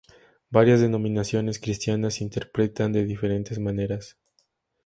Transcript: Varias denominaciones cristianas interpretan de diferentes maneras.